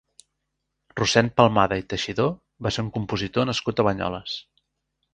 Rossend Palmada i Teixidor va ser un compositor nascut a Banyoles.